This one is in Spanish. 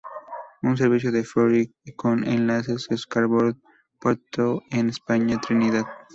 Un servicio de ferry con enlaces Scarborough Puerto España, Trinidad.